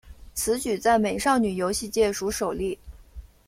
此举在美少女游戏界属首例。